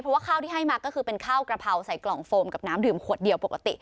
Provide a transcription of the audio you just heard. เพราะว่าข้าวที่ให้มาก็คือเป็นข้าวกระเพราใส่กล่องโฟมกับน้ำดื่มขวดเดียวปกติ